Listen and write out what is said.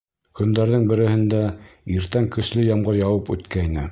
Көндәрҙең береһендә иртән көслө ямғыр яуып үткәйне.